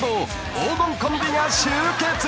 ［黄金コンビが集結］